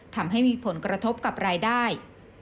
ทำให้มีผลกระทบกับรายได้